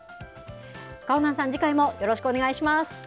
かほなんさん、次回もよろしくお願いします。